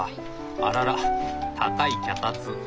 あらら高い脚立。